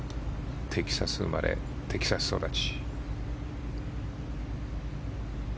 テキサス生まれテキサス育ち。